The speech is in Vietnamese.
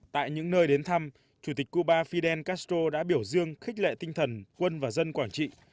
tại những nơi đến thăm chủ tịch cuba fidel castro đã biểu dương khích lệ tinh thần quân và dân quảng trị